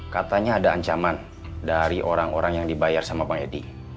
katanya ada ancaman dari orang orang yang dibayar sama pak edi